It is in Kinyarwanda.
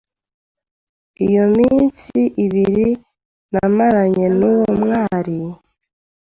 Iyo minsi ibiri namaranye n'uwo mwari,